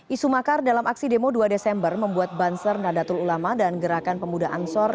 isu makar dalam aksi demo dua desember membuat banser nadatul ulama dan gerakan pemuda ansor